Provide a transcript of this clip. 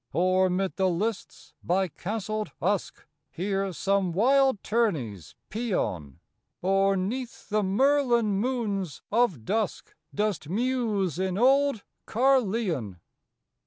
Or 'mid the lists by castled Usk Hear some wild tourney's pæon? Or 'neath the Merlin moons of dusk Dost muse in old Cærleon?